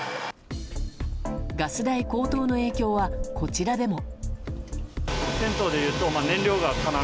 ガス代高騰の影響はこちらでも。